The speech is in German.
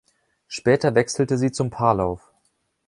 Später wechselte sie zum Paarlauf.